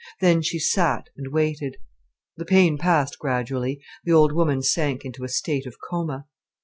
Then she sat and waited. The pain passed gradually, the old woman sank into a state of coma.